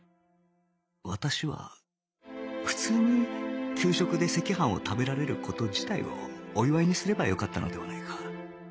私は普通に給食で赤飯を食べられる事自体をお祝いにすればよかったのではないか